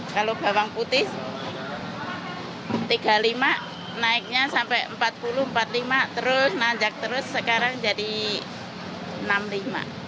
kalau bawang putih tiga lima naiknya sampai empat puluh empat lima terus najak terus sekarang jadi enam lima